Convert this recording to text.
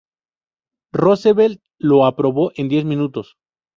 Roosevelt lo aprobó en diez minutos.